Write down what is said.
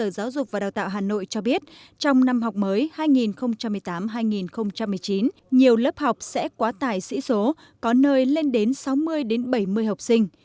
sở giáo dục và đào tạo hà nội cho biết trong năm học mới hai nghìn một mươi tám hai nghìn một mươi chín nhiều lớp học sẽ quá tải sĩ số có nơi lên đến sáu mươi bảy mươi học sinh